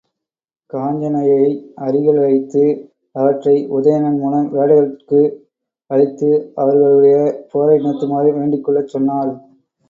காஞ்சனையை அருகிலழைத்து அவற்றை உதயணன் மூலம் வேடர்கட்கு அளித்து அவர்களுடைய போரை நிறுத்துமாறு வேண்டிக்கொள்ளச் சொன்னாள்.